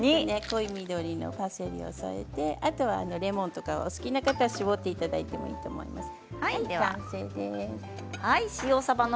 濃い緑のパセリを添えて、あとはレモンとかお好きな方は搾っていただいていいと思います。